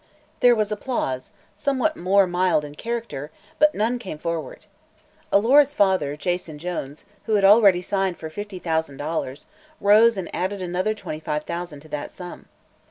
There was applause somewhat more mild in character but none came forward. Alora's father, Jason Jones, who had already signed for fifty thousand dollars, rose and added another twenty five thousand to that sum.